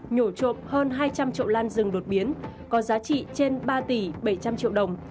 nhổ trộm hơn hai trăm linh trậu lan rừng đột biến có giá trị trên ba tỷ bảy trăm linh triệu đồng